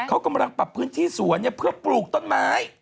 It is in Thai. เขากำลังปรับพื้นที่สวนเพื่อปลูกต้นไม้